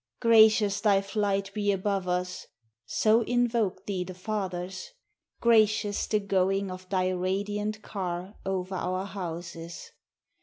"Gracious thy flight be above us! so invoked thee the fathers; Gracious the going of thy radiant car over our houses!